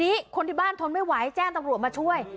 ทีนี้คนที่บ้านทนไม่ไหวแจ้งตำรวจมาช่วย